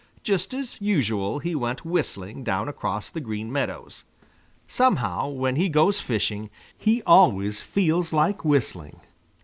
Just as usual he went whistling down across the Green Meadows. Somehow, when he goes fishing, he always feels like whistling.